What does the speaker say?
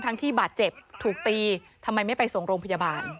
ที่บาดเจ็บถูกตีทำไมไม่ไปส่งโรงพยาบาล